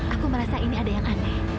aku merasa ini ada yang aneh